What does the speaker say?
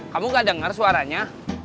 kamu nggak dengar suaranya